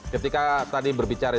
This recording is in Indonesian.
ketika tadi berbicara